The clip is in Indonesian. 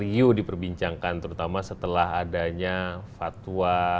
riuh diperbincangkan terutama setelah adanya fatwa